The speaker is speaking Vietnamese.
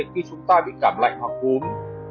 khi chúng ta bị cảm lạnh hoặc húm